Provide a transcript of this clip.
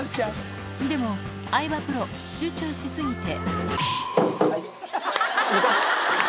でも、相葉プロ、集中し過ぎて。